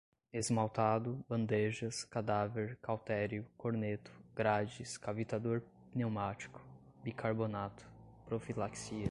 esmaltado, bandejas, cadáver, cautério, corneto, grades, cavitador pneumático, bicarbonato, profilaxia